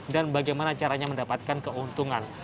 dan bagaimana caranya mendapatkan keuntungan